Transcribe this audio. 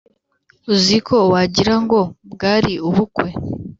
uziko wagirango bwari ubukwe.